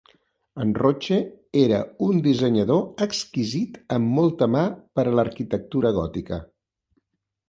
En Roche era un dissenyador exquisit amb molta mà per a l'arquitectura gòtica.